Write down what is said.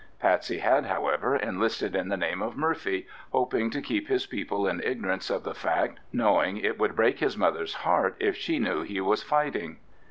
Patsey had, however, enlisted in the name of Murphy, hoping to keep his people in ignorance of the fact, knowing it would break his mother's heart if she knew he was fighting.